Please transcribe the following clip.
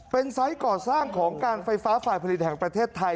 เป็นไซส์ก่อสร้างของการไฟฟ้าฝ่ายผลิตแห่งประเทศไทย